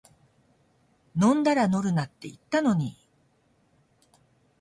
飲んだら乗るなって言ったのに